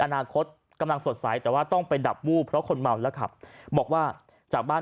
อนาคตกำลังสดใสแต่ว่าต้องไปดับวูบเพราะคนเมาแล้วขับบอกว่าจากบ้าน